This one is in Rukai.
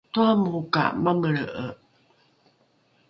toramoro ka mamelre’e